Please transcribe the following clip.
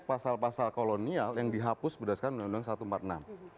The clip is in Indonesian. pasal pasal kolonial yang dihapus berdasarkan undang undang satu ratus empat puluh enam